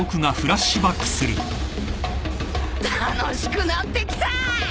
楽しくなってきたぁ！